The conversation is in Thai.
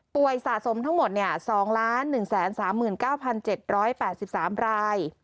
ป่วยสะสมทั้งหมดเนี่ย๒๑๓๙๗๘๓ราย